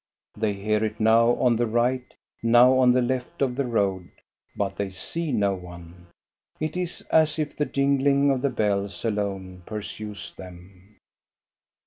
They hear it now on the right, now on the left of the road, but they see no one. It is as if the jingling of the bells alone pursues them.